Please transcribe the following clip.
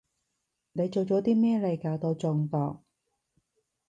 你做咗啲咩嚟搞到中毒？